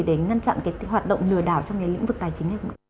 để ngăn chặn cái hoạt động lừa đảo trong cái lĩnh vực tài chính hay không ạ